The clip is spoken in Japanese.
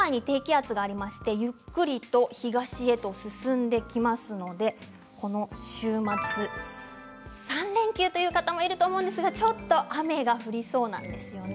今は日本海に低気圧がありましてゆっくりと東へと進んできますのでこの週末３連休という方もいると思うんですがちょっと雨が降りそうなんですよ。